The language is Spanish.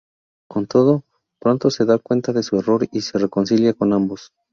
Con todo, pronto se da cuenta de su error y se reconcilia con ambos.